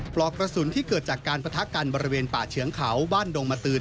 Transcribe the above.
ปลอกกระสุนที่เกิดจากการปะทะกันบริเวณป่าเฉืองเขาบ้านดงมตืน